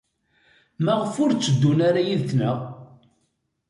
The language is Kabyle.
Maɣef kan ur tteddun ara yid-nteɣ?